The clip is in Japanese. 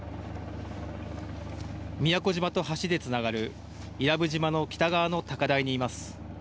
宮古島と橋でつながる伊良部島の北側の高台にいます。